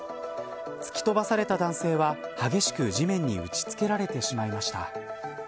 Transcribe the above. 突き飛ばされた男性は激しく地面に打ち付けられてしまいました。